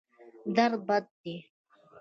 درد بد دی.